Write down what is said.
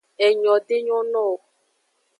Enyo de nyo no wo.